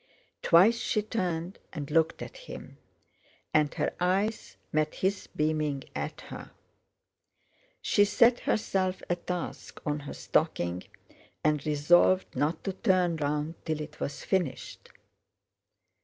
Twice she turned and looked at him, and her eyes met his beaming at her. She set herself a task on her stocking and resolved not to turn round till it was finished.